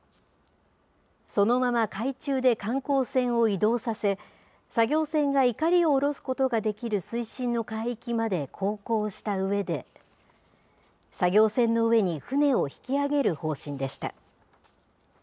そのまま海中で観光船を移動させ、作業船がいかりを下ろすことができる水深の海域まで航行したうえで、作業船の上に船を引き揚げる方針でした。